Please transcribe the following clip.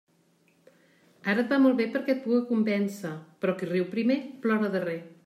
Ara et va molt bé perquè et puga convèncer: però qui riu primer, plora darrer.